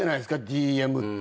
⁉ＤＭって。